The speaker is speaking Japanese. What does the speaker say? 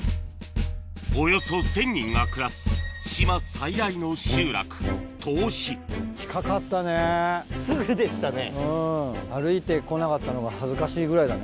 およそ１０００人が暮らす島最大の集落すぐでしたね。